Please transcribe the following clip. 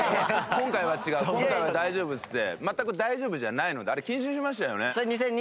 今回は違う今回は大丈夫ですって全く大丈夫じゃないのであれ禁止にしましたよね？